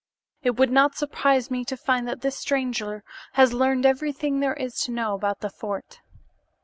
It would not surprise me to find that this stranger has learned everything there is to know about the fort."